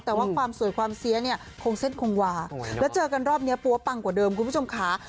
แต่ว่าความสวยความเสียเนี่ยคงเส้นคงวาแล้วเจอกันรอบนี้ปั๊วปังกว่าเดิมคุณผู้ชมค่ะ